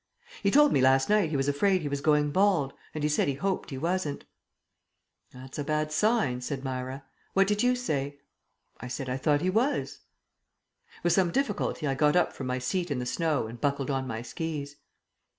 "He told me last night he was afraid he was going bald, and he said he hoped he wasn't." "That's a bad sign," said Myra. "What did you say?" "I said I thought he was." With some difficulty I got up from my seat in the snow and buckled on my skis.